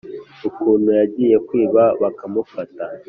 ukuntu yagiye kwiba bakamufata,